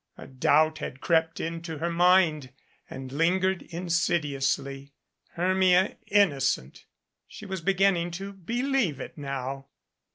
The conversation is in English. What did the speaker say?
A doubt had crept into her mind and lingered insidiously. Hermia innocent! She was beginning to believe it now.